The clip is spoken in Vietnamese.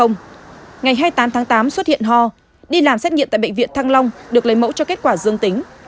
ngày hai mươi tám tháng tám xuất hiện ho đi làm xét nghiệm tại bệnh viện thăng long được lấy mẫu cho kết quả dương tính